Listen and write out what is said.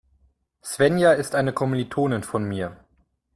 Svenja ist eine Kommilitonin von mir.